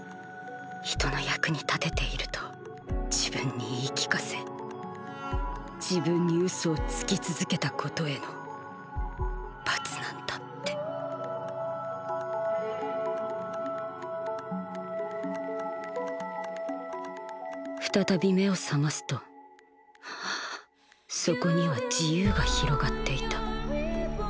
人の役に立てていると自分に言い聞かせ自分に嘘をつき続けたことへの罰なんだって再び目を覚ますとそこには自由が広がっていた。